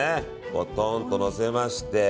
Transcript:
ポトンとのせまして。